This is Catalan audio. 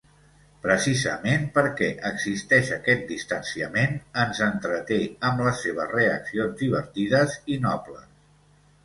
Precisament perquè existeix aquest distanciament, ens entreté amb les seves reaccions divertides i nobles.